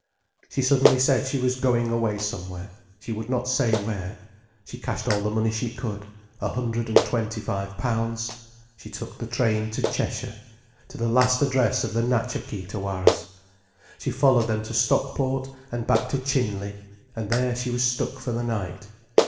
She suddenly said she was going away somewhere: she would not say where. She cashed all the money she could: a hundred and twenty five pounds. She took the train to Cheshire, to the last address of the Natcha Kee Tawaras: she followed them to Stockport: and back to Chinley: and there she was stuck for the night.